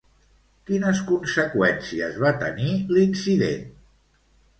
Quines conseqüències va tenir l'incident?